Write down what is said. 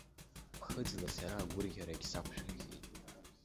Ԥхыӡла сара агәырӷьарагь сақәшәахьеит.